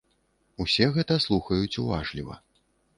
Усе гэта слухаюць уважліва.